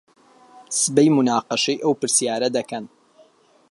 سبەی موناقەشەی ئەو پرسیارە دەکەن.